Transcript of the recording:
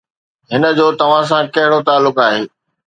هن جو توهان سان ڪهڙو تعلق آهي